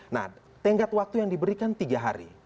nah tenggat waktu yang diberikan tiga hari